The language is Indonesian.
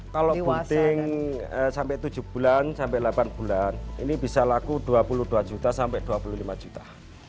kalau booting sampai tujuh bulan sampai delapan bulan ini bisa laku dua puluh dua juta sampai dua puluh lima juta